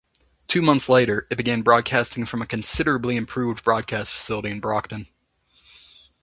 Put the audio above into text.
Two months later, it began broadcasting from a considerably improved broadcast facility in Brockton.